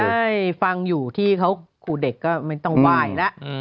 ใช่ฟังอยู่ที่เขาครูเด็กก็ไม่ต้องไหว้แล้ว